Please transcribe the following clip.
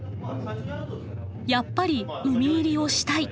やっぱり海入りをしたい。